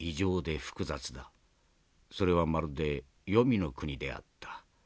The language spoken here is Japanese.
それはまるで黄泉の国であった。